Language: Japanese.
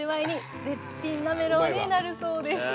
絶品なめろうになるそうです。